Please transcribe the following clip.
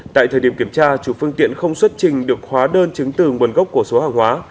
tại thời điểm kiểm tra chủ phương tiện không xuất trình được khóa đơn chứng từ nguồn gốc của số hàng hóa